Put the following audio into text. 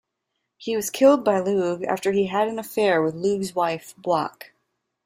He was killed by Lugh after he had an affair with Lug's wife Buach.